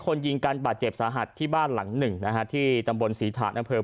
คนยิงการบาดเจ็บสาหัสที่บ้านหลัง๑นะคะที่ตำบลสีถาดน้ำเพลิง